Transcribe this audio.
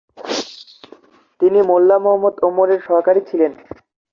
তিনি মোল্লা মুহাম্মদ ওমরের সহকারী ছিলেন।